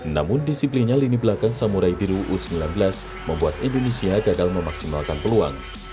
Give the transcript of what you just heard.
namun disiplinnya lini belakang samurai biru u sembilan belas membuat indonesia gagal memaksimalkan peluang